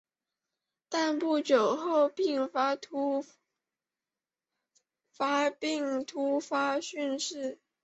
但不久后并发症突发骤逝。